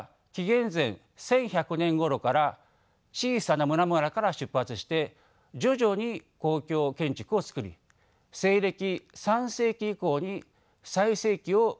１１００年ごろから小さな村々から出発して徐々に公共建築を造り西暦３世紀以降に最盛期を迎えたとされていました。